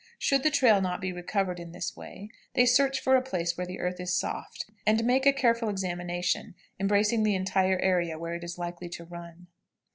Should the trail not be recovered in this way, they search for a place where the earth is soft, and make a careful examination, embracing the entire area where it is likely to run.